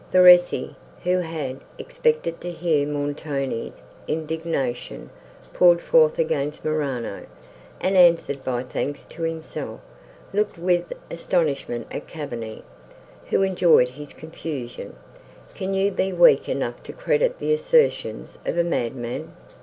Verezzi, who had expected to hear Montoni's indignation poured forth against Morano, and answered by thanks to himself, looked with astonishment at Cavigni, who enjoyed his confusion. "Can you be weak enough to credit the assertions of a madman?"